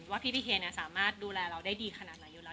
ว่ากิฟท์พี่เคซ์สามารถดูแลเราได้ดีขนาดแล้วอยู่แล้ว